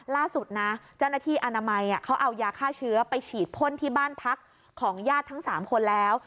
ล่าสุดนะเจ้าหน้าที่อนามัยเขาเอายาฆ่าเชื้อไปฉีดพ่นที่บ้านพักของญาติทั้ง๓คนแล้ว